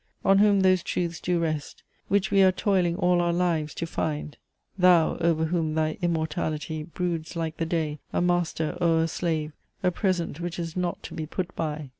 On whom those truths do rest, Which we are toiling all our lives to find! Thou, over whom thy Immortality Broods like the Day, a Master o'er a Slave, A Present which is not to be put by!"